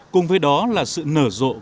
cùng với đó là sự nở rộng